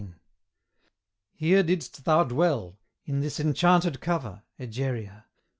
Here didst thou dwell, in this enchanted cover, Egeria!